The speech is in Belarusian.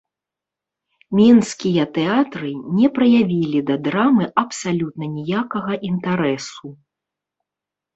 Менскія тэатры не праявілі да драмы абсалютна ніякага інтарэсу.